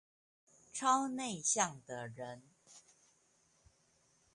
超內向的人